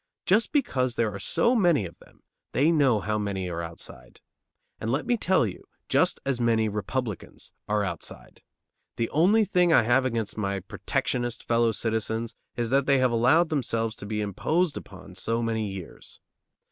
Just because there are so many of them, they know how many are outside. And let me tell you, just as many Republicans are outside. The only thing I have against my protectionist fellow citizens is that they have allowed themselves to be imposed upon so many years.